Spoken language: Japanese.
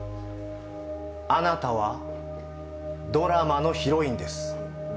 あなたはドラマのヒロインです。